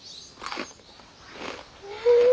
うん！